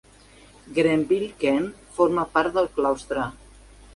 Grenville Kent formava part del claustre.